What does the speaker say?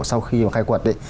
sau khi khai quật